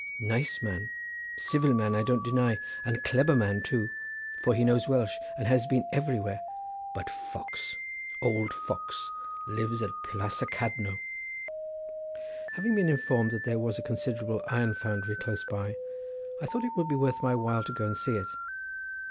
Nice man, civil man, I don't deny; and clebber man too, for he knows Welsh, and has been everywhere—but fox—old fox—lives at Plas y Cadno." Having been informed that there was a considerable iron foundry close by, I thought it would be worth my while to go and see it.